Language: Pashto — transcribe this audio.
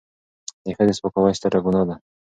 د ښځې سپکاوی ستره ګناه ده.